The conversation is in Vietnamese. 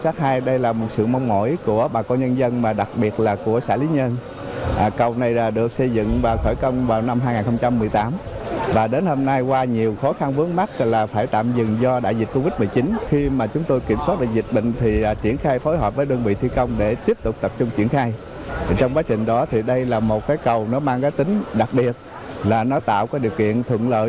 thì đây là một cái cầu nó mang cái tính đặc biệt là nó tạo có điều kiện thuận lợi